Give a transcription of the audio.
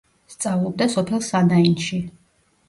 სწავლობდა სოფელ სანაინში.